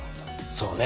そうね。